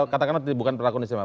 katakanlah bukan perlakuan khususnya